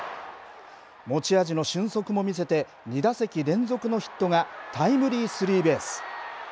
持ち味の俊足も見せて、２打席連続のヒットが、タイムリースリーベース。